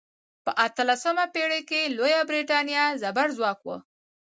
په اتلسمه پیړۍ کې لویه بریتانیا زبرځواک وه.